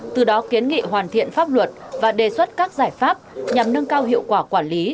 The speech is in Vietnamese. từ đó kiến nghị hoàn thiện pháp luật và đề xuất các giải pháp nhằm nâng cao hiệu quả quản lý